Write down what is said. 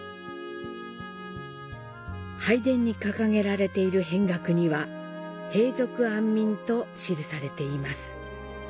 拝殿に掲げられているへん額には平賊安民と記されています。